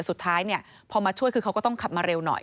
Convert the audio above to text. สุดท้ายพอมาช่วยคือเขาก็ต้องขับมาเร็วหน่อย